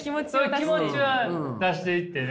気持ちは出していってね。